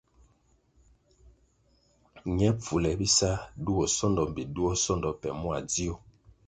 Ñe pfule bisa duo sondo mbpi duo sondo pe mua ndzio.